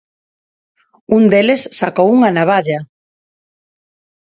Un deles sacou unha navalla.